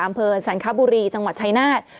อำเภอสันคบุรีจังหวัดชายนาฏ